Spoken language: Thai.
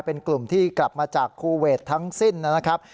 เป็นกลุ่มที่กลับมาจากคูเวททั้งสิ้นนะครับ